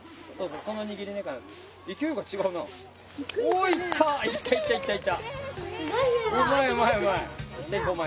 うまいうまいうまい。